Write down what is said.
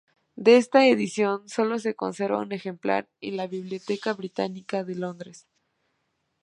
De esta edición solo se conserva un ejemplar en la Biblioteca Británica de Londres.